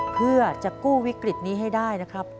เพื่อจะกู้วิกฤตนี้ให้ได้นะครับ